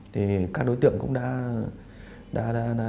thì các đối tượng cũng đã